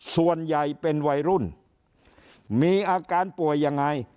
ส่วนใหญ่เป็นวัยรุ่นมีอาการป่วยยังไง